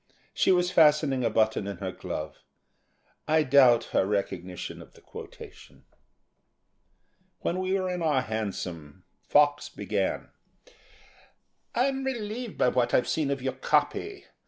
She was fastening a button in her glove. I doubt her recognition of the quotation. When we were in our hansom, Fox began: "I'm relieved by what I've seen of your copy.